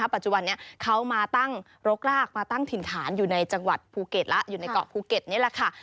ปัจจุบันนี้เขามาตั้งรกรากมาตั้งถิ่นฐานอยู่ในจังหวัดภูเก็ตแล้วอยู่ในเกาะภูเก็ตนี่แหละค่ะ